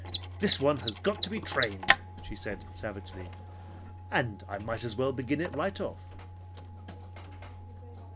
"This one has got to be trained," she said savagely; "and I might as well begin it right off."